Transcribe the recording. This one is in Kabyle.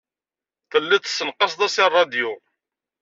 Telliḍ tessenqaseḍ-as i ṛṛadyu.